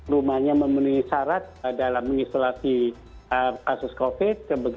rumahnya memenuhi syarat dalam mengisolasi kasus covid